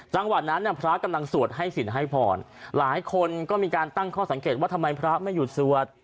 จังหวัดนั้นพระกำลังสวดให้สินให้พรหลายคนก็มีการตั้งข้อสังเกตว่าทำไมพระไม่หยุดสวด